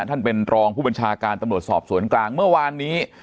ท่านเป็นรองผู้บัญชาการตำรวจสอบสวนกลางเมื่อวานนี้